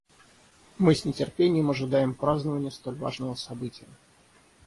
Мы с нетерпением ожидаем празднования столь важного события.